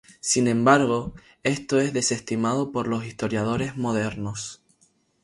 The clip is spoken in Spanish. Sin embargo, esto es desestimado por los historiadores modernos.